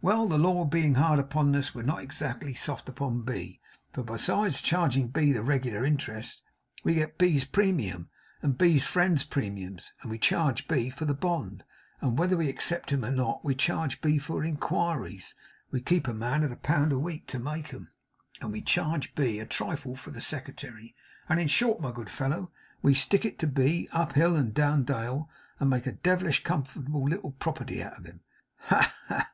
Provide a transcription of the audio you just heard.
Well! The law being hard upon us, we're not exactly soft upon B; for besides charging B the regular interest, we get B's premium, and B's friends' premiums, and we charge B for the bond, and, whether we accept him or not, we charge B for "inquiries" (we keep a man, at a pound a week, to make 'em), and we charge B a trifle for the secretary; and in short, my good fellow, we stick it into B, up hill and down dale, and make a devilish comfortable little property out of him. Ha, ha, ha!